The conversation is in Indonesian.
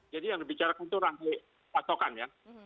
jadi yang dibicarakan itu rangkaian patokan ya